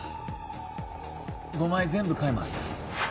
５枚全部換えます。